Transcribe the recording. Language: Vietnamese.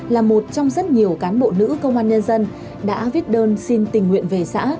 là một trong rất nhiều cán bộ nữ công an nhân dân đã viết đơn xin tình nguyện về xã